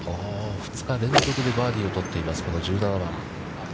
２日連続でバーディーを取っています、この１７番。